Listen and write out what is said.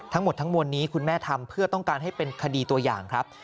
ทั้งหมดทั้งมวลนี้คุณแม่ทำเพื่อต้องการให้เป็นคดีตัวอย่างครับ